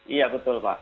iya betul pak